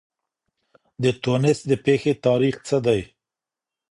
د ټونس د پېښې تاريخ څه دی؟